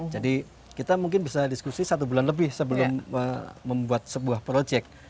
jadi kita mungkin bisa diskusi satu bulan lebih sebelum membuat sebuah proyek